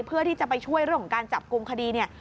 เพื่อที่จะไปช่วยเรื่องการจับกรุงคดี